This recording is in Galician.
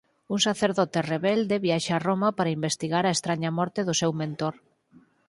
Un sacerdote rebelde viaxa a Roma para investigar a estraña morte do seu mentor.